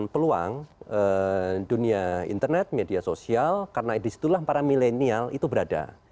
terutama di luar ruang dunia internet media sosial karena disitulah para milenial itu berada